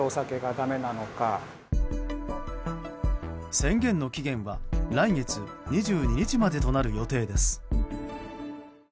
宣言の期限は来月２２日までとなる予定です。